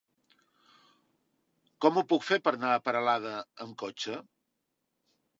Com ho puc fer per anar a Peralada amb cotxe?